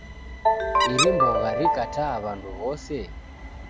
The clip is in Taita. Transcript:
Iri mbogha rikataa w'andu w'ose?